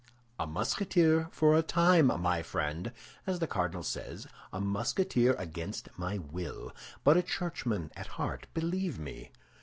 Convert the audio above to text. "A Musketeer for a time, my friend, as the cardinal says, a Musketeer against my will, but a churchman at heart, believe me.